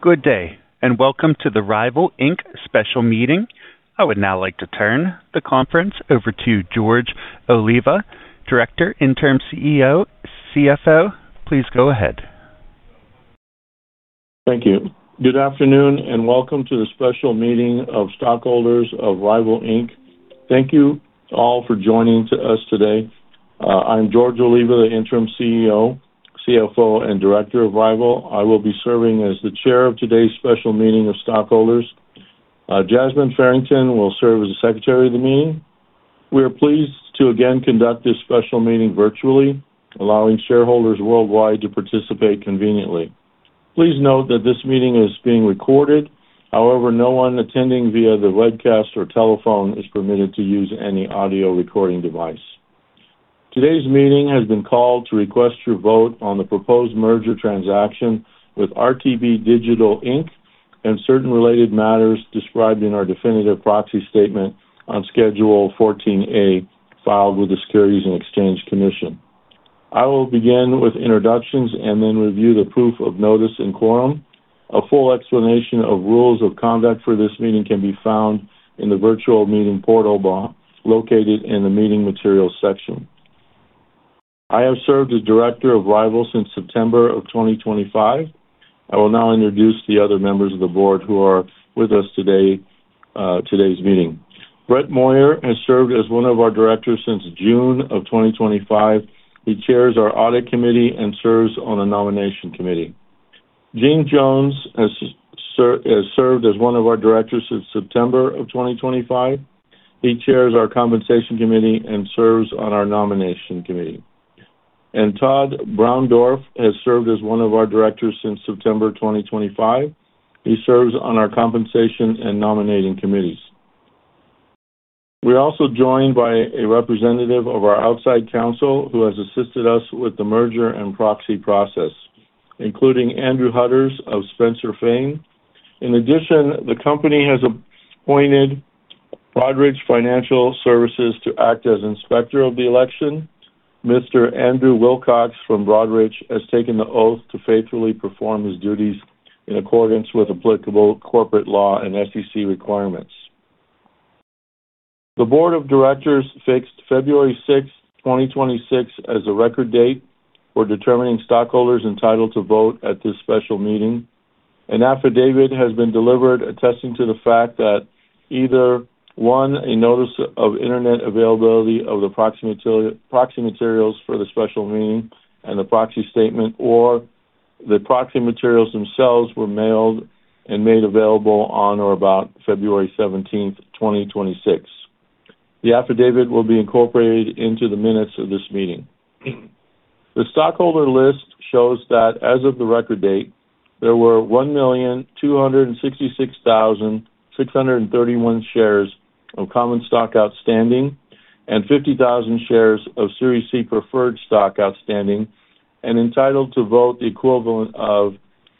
Good day, and welcome to the RYVYL Inc. special meeting. I would now like to turn the conference over to George Oliva, Director, Interim CEO, CFO. Please go ahead. Thank you. Good afternoon, and welcome to the special meeting of stockholders of RYVYL Inc. Thank you all for joining us today. I'm George Oliva, the Interim CEO, CFO, and Director of RYVYL. I will be serving as the chair of today's special meeting of stockholders. Jasmine Farrington will serve as the secretary of the meeting. We are pleased to again conduct this special meeting virtually, allowing shareholders worldwide to participate conveniently. Please note that this meeting is being recorded. However, no one attending via the webcast or telephone is permitted to use any audio recording device. Today's meeting has been called to request your vote on the proposed merger transaction with RTB Digital, Inc. and certain related matters described in our definitive proxy statement on Schedule 14A, filed with the Securities and Exchange Commission. I will begin with introductions and then review the proof of notice in quorum. A full explanation of rules of conduct for this meeting can be found in the virtual meeting portal located in the meeting materials section. I have served as director of RYVYL since September 2025. I will now introduce the other members of the board who are with us today's meeting. Brett Moyer has served as one of our directors since June 2025. He chairs our audit committee and serves on a nomination committee. Gene Jones has served as one of our directors since September 2025. He chairs our compensation committee and serves on our nomination committee. Tod Browndorf has served as one of our directors since September 2025. He serves on our compensation and nominating committees. We're also joined by a representative of our outside counsel who has assisted us with the merger and proxy process, including Andrew Hutter of Spencer Fane. In addition, the company has appointed Broadridge Financial Solutions to act as inspector of the election. Mr. Andrew Wilcox from Broadridge has taken the oath to faithfully perform his duties in accordance with applicable corporate law and SEC requirements. The board of directors fixed February 6th, 2026 as a record date for determining stockholders entitled to vote at this special meeting. An affidavit has been delivered attesting to the fact that either, one, a notice of internet availability of the proxy materials for the special meeting and the proxy statement or the proxy materials themselves were mailed and made available on or about February 17th, 2026. The affidavit will be incorporated into the minutes of this meeting. The stockholder list shows that as of the record date, there were 1,266,631 shares of common stock outstanding and 50,000 shares of Series C preferred stock outstanding and entitled to vote the equivalent of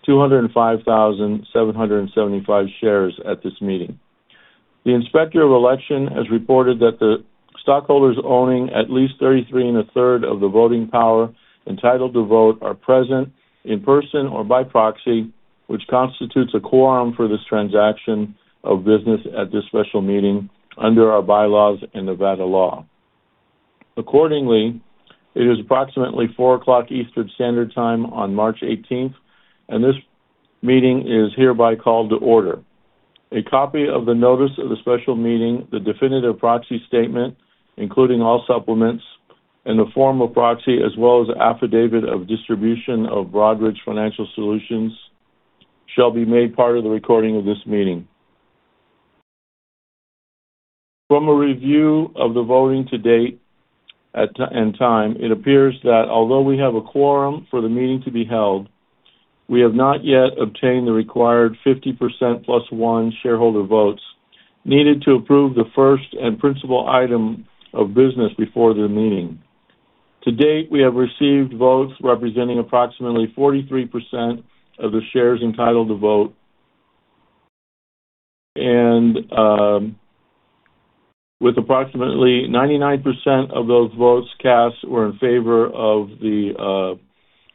205,775 shares at this meeting. The inspector of election has reported that the stockholders owning at least 33.33% of the voting power entitled to vote are present in person or by proxy, which constitutes a quorum for this transaction of business at this special meeting under our bylaws and Nevada law. Accordingly, it is approximately 4:00 P.M. Eastern Standard Time on March 18th, and this meeting is hereby called to order. A copy of the notice of the special meeting, the definitive proxy statement, including all supplements and the form of proxy, as well as the affidavit of distribution of Broadridge Financial Solutions, shall be made part of the recording of this meeting. From a review of the voting to date at this time, it appears that although we have a quorum for the meeting to be held, we have not yet obtained the required 50% + 1 shareholder votes needed to approve the first and principal item of business before this meeting. To date, we have received votes representing approximately 43% of the shares entitled to vote. With approximately 99% of those votes cast were in favor of the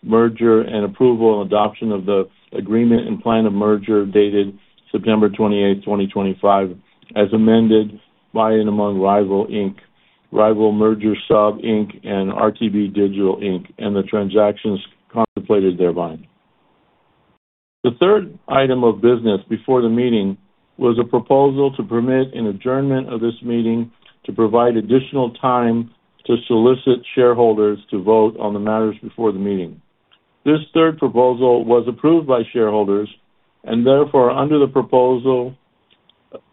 merger and approval and adoption of the agreement and plan of merger dated September 28th, 2025, as amended by and among RYVYL Inc., RYVYL Merger Sub Inc., and RTB Digital, Inc. and the transactions contemplated therein. The third item of business before the meeting was a proposal to permit an adjournment of this meeting to provide additional time to solicit shareholders to vote on the matters before the meeting. This third proposal was approved by shareholders, and therefore, under the proposal,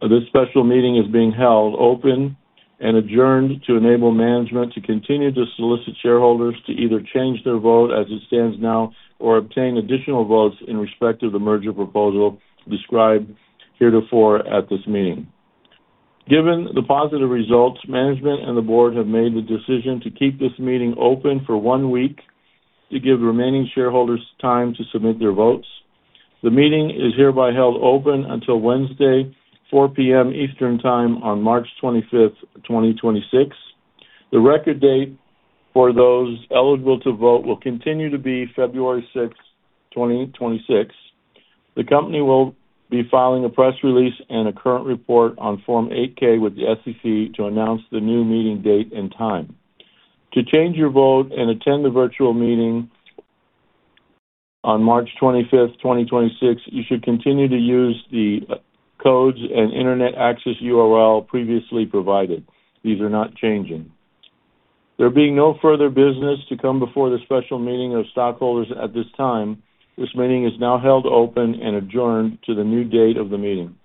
this special meeting is being held open and adjourned to enable management to continue to solicit shareholders to either change their vote as it stands now or obtain additional votes in respect to the merger proposal described heretofore at this meeting. Given the positive results, management and the board have made the decision to keep this meeting open for one week to give remaining shareholders time to submit their votes. The meeting is hereby held open until Wednesday, 4:00 P.M. Eastern Time on March 25th, 2026. The record date for those eligible to vote will continue to be February 6th, 2026. The company will be filing a press release and a current report on Form 8-K with the SEC to announce the new meeting date and time. To change your vote and attend the virtual meeting on March 25th, 2026, you should continue to use the codes and internet access URL previously provided. These are not changing. There being no further business to come before the special meeting of stockholders at this time, this meeting is now held open and adjourned to the new date of the meeting.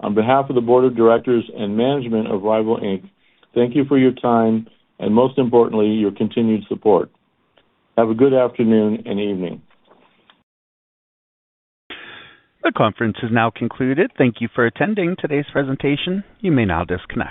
On behalf of the Board of Directors and Management of RYVYL Inc., thank you for your time and, most importantly, your continued support. Have a good afternoon and evening. The conference has now concluded. Thank you for attending today's presentation. You may now disconnect.